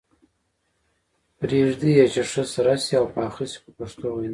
پرېږدي یې چې ښه سره شي او پاخه شي په پښتو وینا.